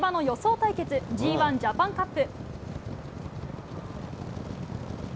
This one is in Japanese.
対決Ｇ１ジャパンカップ。